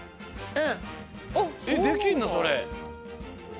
うん。